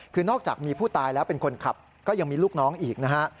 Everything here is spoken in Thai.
คือนอกจากมีผู้ตายแล้วเป็นคนขับก็ยังมีลูกน้องอีกนะฮะ